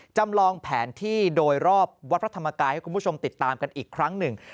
จำลองแผนที่โดยรอบวัดพระธรรมกายให้คุณผู้ชมติดตามกันอีกครั้งหนึ่ง